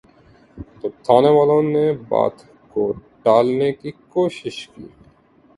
تو تھانے والوں نے بات کو ٹالنے کی کوشش کی۔